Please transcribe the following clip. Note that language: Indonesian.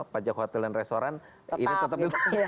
pajak hotel dan restoran ini tetap